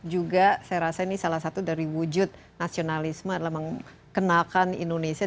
juga saya rasa ini salah satu dari wujud nasionalisme adalah mengenalkan indonesia